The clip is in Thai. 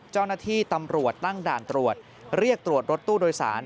เจ้าหน้าที่ตำรวจตั้งด่านตรวจเรียกตรวจรถตู้โดยสาร